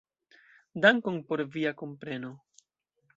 Dankon por via kompreno.